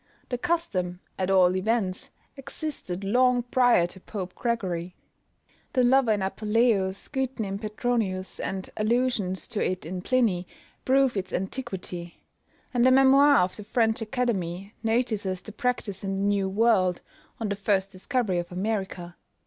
The custom, at all events, existed long prior to Pope Gregory. The lover in Apuleius, Gyton in Petronius, and allusions to it in Pliny, prove its antiquity; and a memoir of the French Academy notices the practice in the New World, on the first discovery of America.